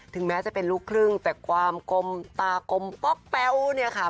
แม้จะเป็นลูกครึ่งแต่ความกลมตากลมป๊อกแป๊วเนี่ยค่ะ